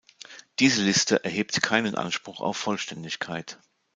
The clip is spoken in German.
Diese Liste erhebt keinen Anspruch auf Vollständigkeit.